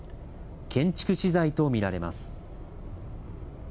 建築資材と見られます。